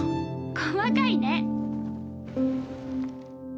細かいね。